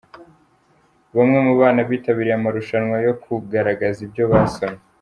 Bamwe mu bana bitabirye amarushwana yo kugaragaza ibyo basomye.